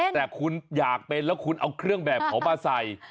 แต่คุณอยากเป็นแล้วคุณเอาเครื่องแบบเขามาใส่